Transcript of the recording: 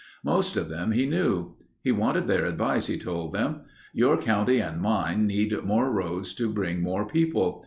Most of them he knew. He wanted their advice, he told them. "Your county and mine need more roads to bring more people.